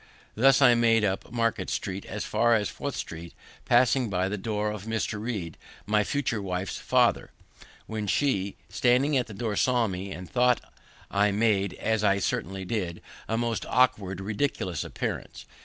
Thus I went up Market street as far as Fourth street, passing by the door of Mr. Read, my future wife's father; when she, standing at the door, saw me, and thought I made, as I certainly did, a most awkward, ridiculous appearance.